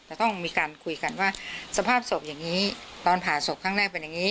จะต้องมีการคุยกันว่าสภาพศพอย่างนี้ตอนผ่าศพครั้งแรกเป็นอย่างนี้